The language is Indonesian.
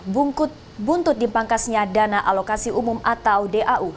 bungkut buntut di pangkasnya dana alokasi umum atau dau